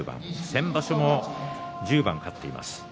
先場所も１０番勝っています。